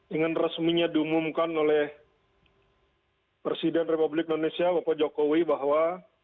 ingin resminya diumumkan oleh presiden republik indonesia bapak jokowi bahwa